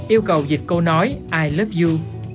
yêu cầu dịch câu nói i love you